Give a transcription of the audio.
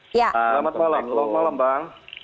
selamat malam bang